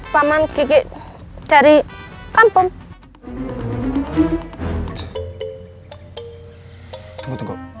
paman kiki dari kampung